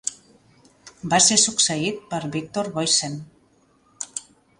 Va ser succeït per Victor Boysen.